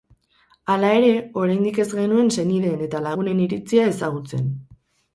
Hala ere, oraindik ez genuen senideen eta lagunen iritzia ezagutzen.